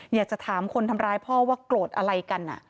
อยากจะถามคนทำร้ายพ่อว่าโกรธอะไรกัน